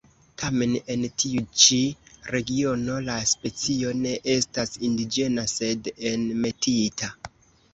Tamen en tiu ĉi regiono, la specio ne estas indiĝena sed enmetita.